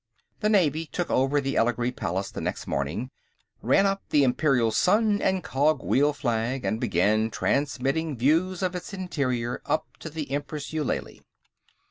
The Navy took over the Elegry Palace the next morning, ran up the Imperial Sun and Cogwheel flag, and began transmitting views of its interior up to the Empress Eulalie.